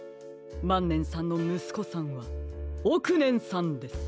まんねんさんのむすこさんはおくねんさんです！